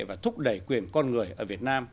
và thúc đẩy quyền con người ở việt nam